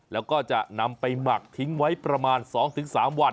แล้วก็จะนำไปหมักทิ้งไว้ประมาณ๒๓วัน